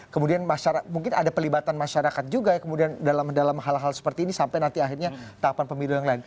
kemudian mungkin ada pelibatan masyarakat juga ya kemudian dalam hal hal seperti ini sampai nanti akhirnya tahapan pemilu yang lain